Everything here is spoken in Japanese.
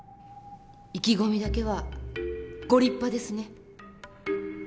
意気込みだけはご立派ですね。